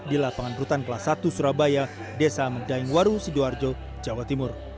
di lapangan rutan kelas satu surabaya desa medaengwaru sidoarjo jawa timur